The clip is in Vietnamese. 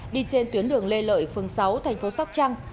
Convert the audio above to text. đi trên tuyến đường lê lợi phường sáu thành phố sóc trăng